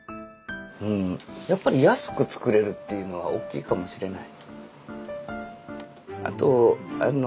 うんやっぱり安く作れるっていうのは大きいかもしれない。